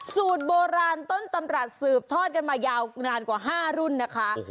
สูตรโบราณต้นตำรับสืบทอดกันมายาวนานกว่า๕รุ่นนะคะ